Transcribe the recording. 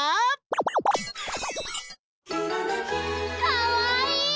かわいい！